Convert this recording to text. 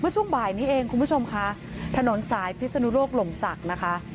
ช่วงบ่ายนี้เองคุณผู้ชมค่ะถนนสายพิศนุโลกลมศักดิ์นะคะ